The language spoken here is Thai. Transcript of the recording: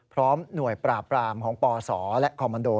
พร้อมหน่วยปราบรามของปศและคอมมันโด